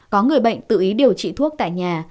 có người bệnh tự ý điều trị thuốc tại nhà